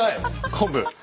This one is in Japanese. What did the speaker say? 昆布！